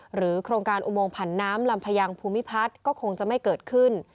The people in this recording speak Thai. โครงการอุโมงผันน้ำลำพยางภูมิพัฒน์ก็คงจะไม่เกิดขึ้น